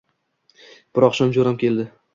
Bir oqshom jo‘ram keldi.